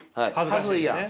はずいやん。